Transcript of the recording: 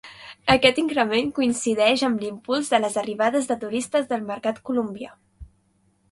Aquest increment coincideix amb l'impuls de les arribades de turistes del mercat colombià.